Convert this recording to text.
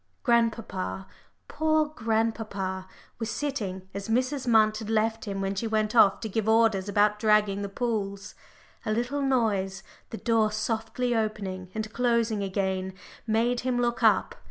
Grandpapa poor grandpapa was sitting as Mrs. Munt had left him when she went off to give orders about dragging the pools. A little noise, the door softly opening and closing again, made him look up.